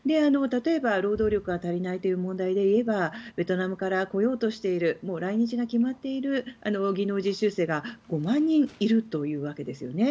例えば、労働力が足りないという問題で言えばベトナムから来ようとしている来日が決まっている技能実習生が５万人いるというわけです。